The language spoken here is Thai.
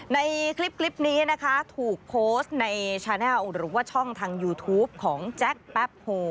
ในคลิปนี้นะคะถูกโพสต์ในชาแนลหรือว่าช่องทางยูทูปของแจ็คแป๊บโฮ